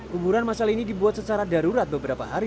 kuburan masal ini dibuat secara darurat beberapa hari